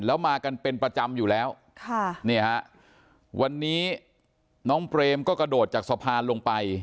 แล้วมากันเป็นประจำอยู่แล้วค่ะนี่ฮะวันนี้น้องเปรมก็กระโดดจากสะพานลงไป